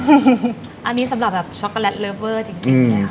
อันนี้สำหรับแบบช็อกโกแลตเลิฟเวอร์จริง